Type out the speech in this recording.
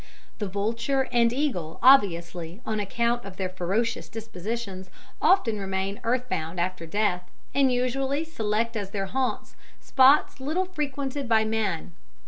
The vulture and eagle, obviously on account of their ferocious dispositions, often remain earth bound after death, and usually select as their haunts, spots little frequented by man.